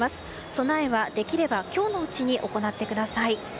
備えは、できれば今日のうちに行ってください。